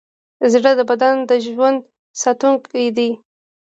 زړه د بدن د ژوند ساتونکی دی.